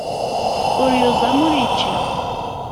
Ur yuẓam ur yečči.